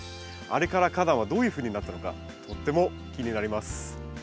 あれから花壇はどういうふうになったのかとっても気になります。